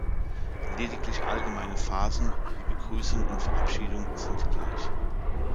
Lediglich allgemeine Phasen wie Begrüßung und Verabschiedung sind gleich.